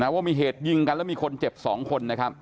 ว่ามีเหตุยิงกันแล้วมีคนเจ็บ๒คน